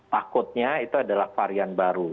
takutnya itu adalah varian baru